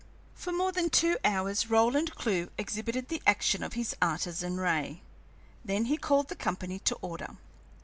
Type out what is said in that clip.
For more than two hours Roland Clewe exhibited the action of his Artesian ray. Then he called the company to order.